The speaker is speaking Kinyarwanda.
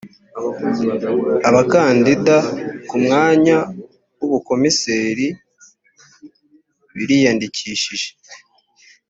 abakandida ku mwanya w ubukomiseri biriyandikishije.